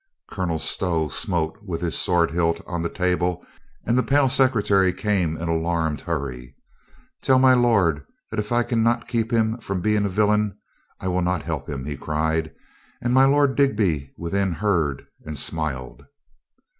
Colonel Stow smote with his sword hilt on the table and the pale secretary came in alarmed hurry. "Tell my lord that if I can not keep him from THE KING LOOKS 357 being a villain, I will not help him," he cried. And my Lord Digby within heard and smiled.